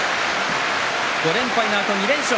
５連敗のあと２連勝。